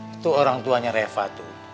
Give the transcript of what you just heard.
itu orang tuanya reva tuh